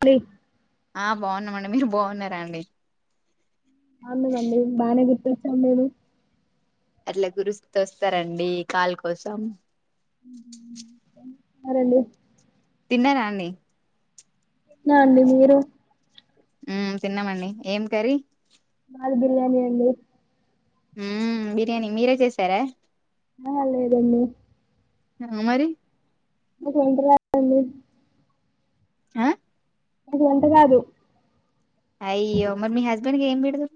ప ఆ బాగున్నామండి మీరు బాగున్నారా అండి అవుందిమండి బాగానే గుర్తొచ్చాం నేను అట్లా గురిస్త వస్తారంండి కాలు కోసం ఎవరు రండి తిన్నానున్న నా అండి మీరు ఉ తిన్నామండి ఏం కర్రీ అల్ బిర్యానిి అండి ఉ బిర్యానీ మీరే చేసారా ఆ అలాేదండి మరి అ రెంటంది ఆ అది వంత కాదు అయ్యో మరి మీ హస్బెండ్కి ఏం బిడదు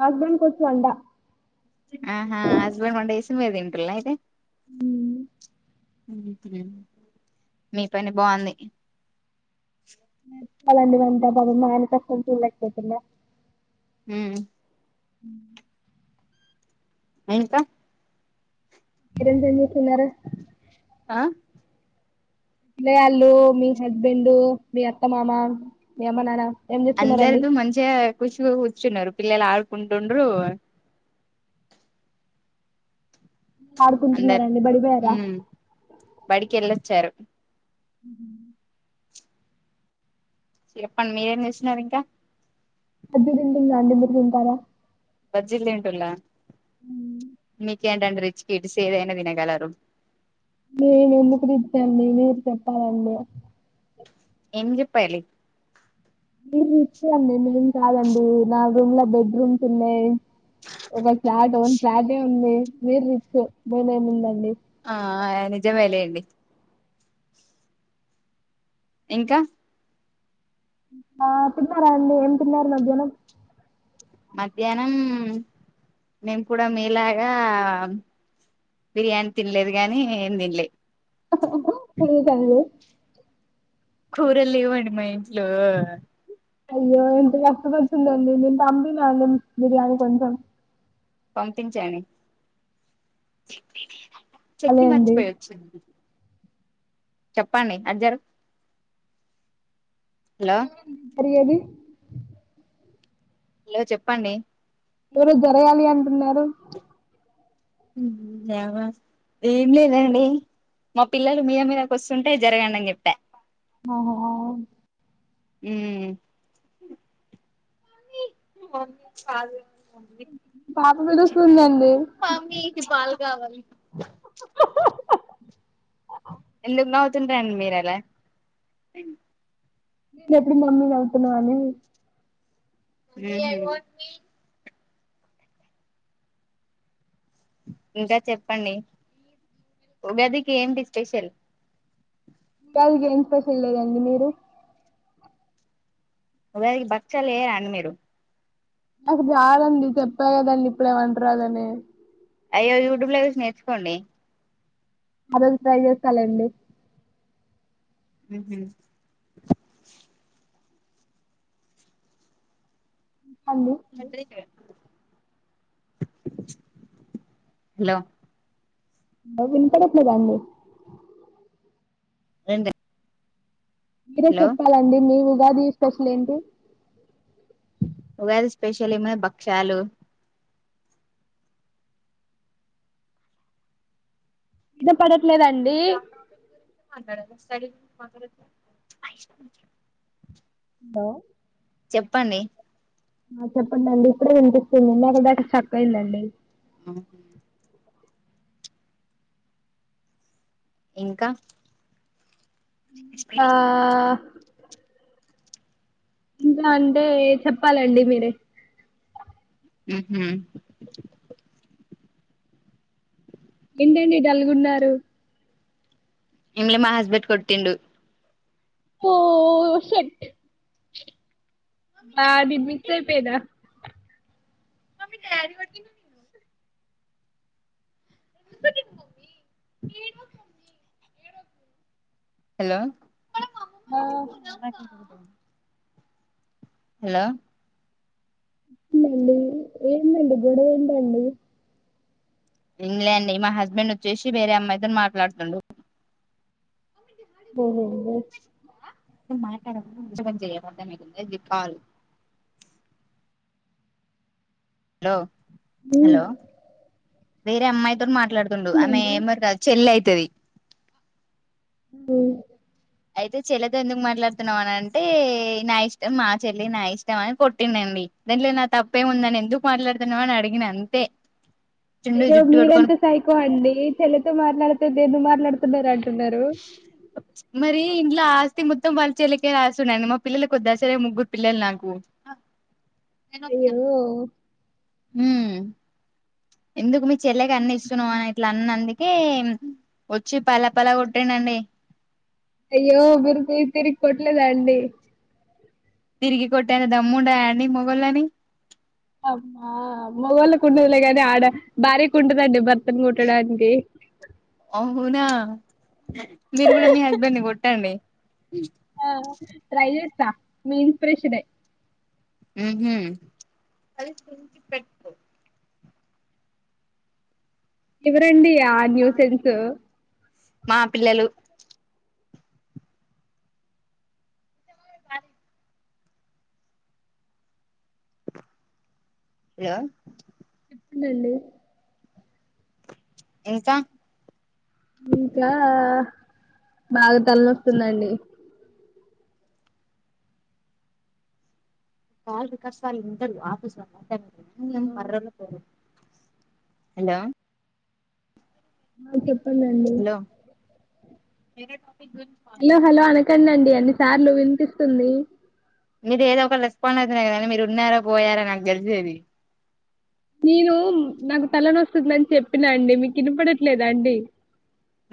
హస్బెండ్ కూచుండా ఆహా హస్బెండ్ మండ ఇసుమదేంట్రల్ ఇదతే హ మీ పని బాగుంది చపల్లిలండి వంటా మన కష్టం చల్న్నా హ ఉ ఇంకా ఇరంంత అన్నూన్నర ఆ ఇ వాళ్ళు మీ హస్బెండు మీ అత్తమామ మీ అమ్మ నాన్న ఏం చేస్తున్నారండి అందరితోూ మంచిగా కూర్చు కూర్చున్నారు పిల్లలు ఆడుకుంటుండ్రు అందరు ఆడుకుంటున్నారండి బడిపోయారా బడికి వెళ్ళొచ్చారు అ చెప్పండి మీరేం చూసిన ఇంకా అద్ దం దిం అం మరు దిన్ తారా బజ్జిల్ ఉంటలా మీ రిచ్ కడ్ స ఏదైనా దినకాలర నేనుందుకుటి ఇచ్చా న మీరు చెప్పాలన్న ఎజి పలి మీరు ఇస్త అండి మేం కాదండి నా రూమ్ లో బెడ్ రూమ్స్ ఉన్నాయి్ ఒక ఫ్లాట్ వఓన్ ఫ్లాటే ఉంది మీరు రిచ్ మెన్మి ఉందండి ఆ నిజమేలే ఏంంటి ఇంకా ఆ తిన్నారా అండి ఏం తిన్నారు మధ్యాహ్నం మధ్యాహ్నం మేము కూడా మీేలాగా బిర్యానీ తినలేదు కాగానీ ఏం తిినలే ఉ సం కూరలు లెవ్వండి మా ఇంట్లో అయ్యో ఎంత కష్టమొచ్చింది దండి నేను పంపినా నేను బిర్యానీ కొంచెం పంపించండి అదే చట్ని అండి. మర్చిపోయొచ్చి చెప్పండి అజ్జర్ కరియేది హలో చెప్పండి మీరు జరగాలి అంటున్నారు. వా ఏం లేదండి మా పిల్లలు మీద మీదకి ఒస్తుంటే జరగండని జెప్ప ఆహ [inaudible] అ పాప పిలుస్తుందండి చతుంటండి మీర ఎలా నేను ఎప్పుడు మమ్మీ అమ్తున్నా అని ఆ ఇంకా చెప్పండి ఉగాదికి ఏంటి స్పెషల్ ఉగాదికి ఎం స్పెషల్ లేదండి మీరు ఉదారికి భక్షలు ఎయారాండి మీరు నాకు జాలండి చెప్పా కదండి ఇప్పుడే వంటరాదని అయ్యో యూట్యూబ్ లో జూసి నేర్చుకోండి అదే ట్రై చేస్తాలెండి ఉ అండి హలో వైసు వినపడట్లేదా అండి ఏంది మీరే చెప్పాలండి మేవుగాది ఈ స్పెషల్ ఏంటి ఉగాది స్పెషల్ ఏమైనా భక్షాలు ఇనపడట్లేదండి చర మా హలో చెప్పండి. చెప్పండి అండి ఇప్పుడే వినిపిస్తుందిదండి దక్క స్ట్రక్ ఐందండి ఆ ఇంకా ఆ ఇంకా అంటే చెప్పాలండి మీరే ఉహ ఏంటండి డల్గున్నారు నిన్న మా హస్బెండ్ కొట్తిండు హా షట్ ఆ నేను ఫిక్సిపోయిన మమ తరి వడ్డి ఉ ఎ మమ్మ మమ్మ హలో ఆ హలో ఎందండి ఏందండి గొడవ ఏంటండి ఇంలే అండి మా హస్బెండ్ వచ్చేసి వేరే అమ్మాయితో మాట్లాడుతుండు ఓహఓ ఇ మాట్డజ కొం చేయమంది దికల్ హలో హ్మ్మ్ హలో వేరే అమ్మాయితో మాట్లాడుతుండు ఆమె మరి చెల్లి అవుతుది హ్మ్ అయితే చెల్లెతో ఎందుకు మాట్లాడుతున్నాం అని అంటే నా ఇష్టం మా చెల్లి నా ఇష్టం అని కొట్టినండి దాంట్లో నా తప్పేముందని ఎందుకు మాట్లాడుతున్నా అని అడిగిన అంతే చుండు అయ్యో జుట్టు పట్టుకొని మీరంతా సైకో అండి చెల్లెతో మాట్లాడితే దేని మాట్లాడుతున్నారు అంటున్నారు మరి ఇంట్లో స్తి మొత్తం పలుచేలకే రాసుండండి మా పిల్లలకి వద్ాసరే ముగ్గురు పిల్లలు నాకు అయ్య హ ఎందుకు మీ చెల్లక అన్నిీ ఇస్తున్నావు అని ఇట్లా అన్ని అంది వచ్చి పల్లాె పలా కొట్టటిండండి అయ్యో గురుద తిరిగి కొట్లేదా అండి తిరిగి కొట్టె అ దమ్ముడా ఎని మగల్ని అమ్మా మగోళ్ళ కుండలే కాని ఆడ భారీ కుంటదండి భర్తను కుట్టడానికి హు అహనా మీరు కూడా మీ హస్బెండ్ ని కొట్టండి రాైజ మీ ఇన్స్పిరేషన్ అది పె ఎవరండి ఆ న్యూ సెన్స్ మా పిల్లలు తార యా నండి ఇంకా ఇంకా బాగా తలనొస్తుందండి కా రకా సార్ ఉంటర్ ఆఫీస్ లో హలో వర్్ర పో హలో ఆ చెప్పడిండి మీద హలో హలో అనకండి అండి అన్ని సార్లు వినిపిస్తుంది మీరు ఏదో ఒక రెస్పాండ్ అయితేనే కద మీరు ఉన్నారో పోయారో నాకు తెలిసేది నేను నాకు తలన వస్తుందిందని చెప్పినా అండి మీకు వినిపడట్లేదా అండి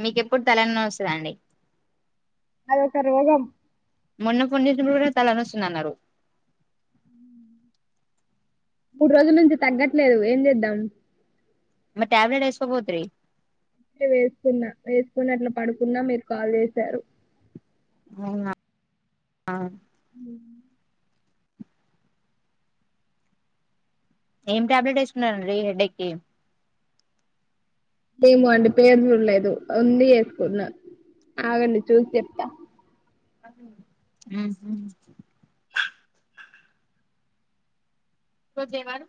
మీకెప్పుడు తలన వస్తుందండి అద సారు వగం మన్న ఫోన్తలా నస్తున్నాన్నారు మూడు రోజుల నుంచి తగ్గట్లేదు ఏం చేద్దాం మ ట్యాబ్లేెట్ ఎయిస్కోబోతుీ వేసుకున్నా వేసుకున్నట్లు పడుకున్న మీరు కాల్ చేసారు అవునా అ ఏం టాబ్లెట్ వేసుకున్నండి హెడడేక్కిి ఏమో అండి పేరు చూడలేదు ఉంది వసుకున్నా ఆగండి చూసి చెప్తా అ కొద్ద్దేవారు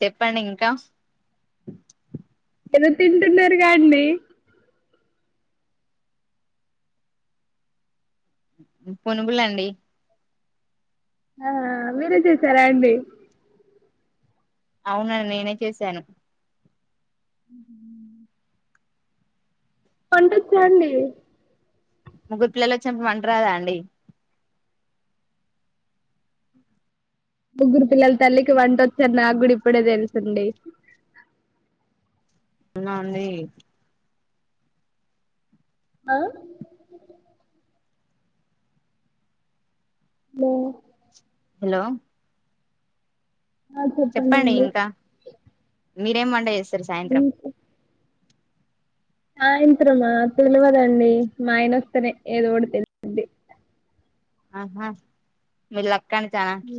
చెప్పండి ఇంకా ఏదో తింటున్నారు కాండి పొనుగులండి ఆ మీరే చేసారా అండి అవును అది నేనే చేశాను వంట వచ్చా అండి ముగ్గురు పిల్లలు వచ్చిన వంటరాదా అండి ముగ్గురు పిల్లల తల్లికి వంట వచ్చని నాకు గూడా ఇప్పుడే తెలుసండి అవున అండి ఆ మా హలో ఆ చెప్పండి చెప్పడండి ఇంకా మీరేం వంట చేస్తారు సాయంత్రం సాయంత్రమా తెల్వదండి మా ఆయన వస్తేనే ఏదోటి తెలిసెది ఆహా మీరు లక్ అండి చనాకి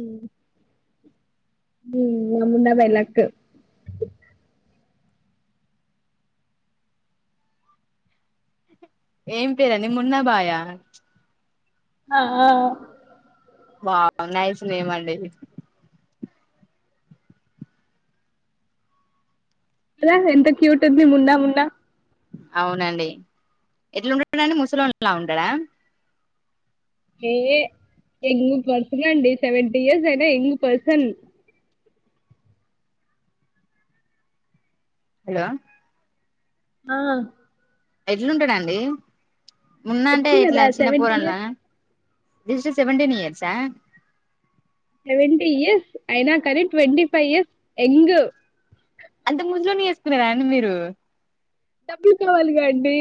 నమ్మున్న వెలక్ ఏం పేరు అది మున్న బాయా ఆ ఆ వావ్ నైస్ నేమ్ అండి అల ఎంత క్యూట్ ఉంది మున్నా మున్నా అవునండి ఎట్లా ఉంటాడండి ముసళ్ళోలా ఉంటడా ఏ ఎంగ్ పర్సన్ అండి సెవెంటీ ఇయర్స్ అయినా ఎంగ్ పర్సన్ హలో ఆ ఎట్లుంటాడండి మున్న అంటే చెప్పింది ఎట్లా కదా చిన్న సెవెంటీ పోరడ్ల ఇయర్స్ స్ సెవెన్ టీన్ ఇయర్సా సెవెంటీ ఇయర్స్ అయినా కానీ ట్వంటీ ఫైవ్ ఇయర్స్ ఎంగ్ అంటే ముసళ్ళోలోనే చేసుకున్నారండి మీరు డబ్బులు కావాలిగా అండి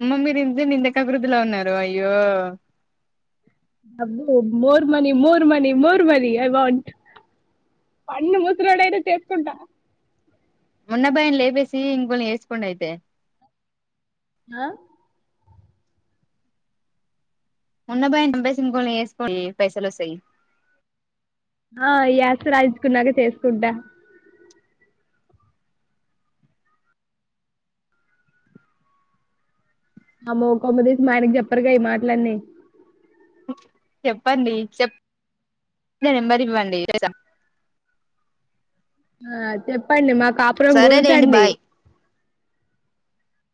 అమ్మ మీరు ఇంత నిందక అభివృద్ధిలో ఉన్నారు అయ్యో అబ్బో more money more money more money I want పండు ముసలోడు అయిన చేసుకుంటా మున్న బాయ్ ని లేపేసి ఇంకొల్ని ఎసుకోండి అయితే ఆ ఉన్న బాయ్ ని సంపేసి ఇంకొన్ని ఎసుకోండి పైసల్ వస్తతయ్ ఆ ఈ ఆస్తి రాయించుకున్నాక చేసుకుంటా అమ్మో కొంపదీసి మా ఆయనకి చెప్పరుగా ఈ మాట్లాలన్ని చెప్పండి చెప్ నెంబర్ ఇవ్వండి చేద్దాం ఆ చెప్పండి మా కాపురం సరేలేండి గూల్చండి బాయ్